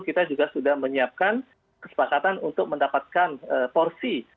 kita juga sudah menyiapkan kesepakatan untuk mendapatkan porsi